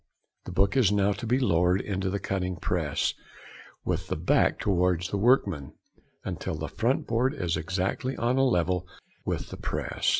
The book is now to be lowered into the cutting press, with the back towards the workman, until the front board is exactly on a level with the press.